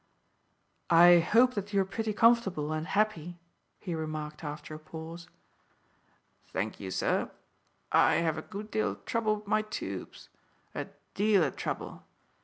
"I hope that you are pretty comfortable and happy," he remarked after a pause. "Thank ye, sir. I have a good deal o' trouble with my toobes a deal o' trouble.